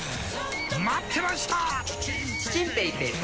待ってました！